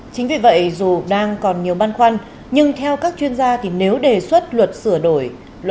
chính vì vậy dù đang còn nhiều băn khoăn nhưng theo các chuyên gia thì nếu đề xuất luật sửa đổi